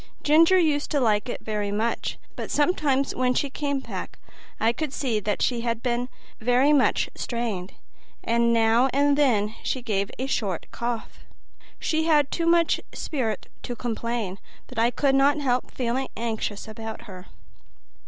Ginger used to like it very much, but sometimes when she came back I could see that she had been very much strained, and now and then she gave a short cough. She had too much spirit to complain, but I could not help feeling anxious about her.